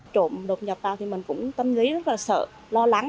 trộm đột nhập vào thì mình cũng tâm lý rất là sợ lo lắng